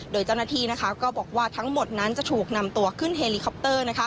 โดยเจ้าหน้าที่ก็บอกว่าทั้งหมดนั้นจะถูกนำตัวขึ้นเฮลิคอปเตอร์